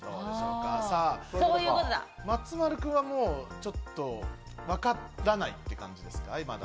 松丸君はもうちょっとわからないって感じですか？